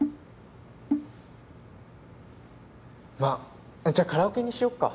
まっじゃカラオケにしよっか。